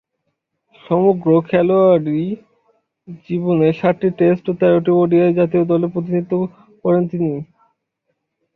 সমগ্র খেলোয়াড়ী জীবনে সাতটি টেস্ট ও তেরোটি ওডিআইয়ে জাতীয় দলের প্রতিনিধিত্ব করেন তিনি।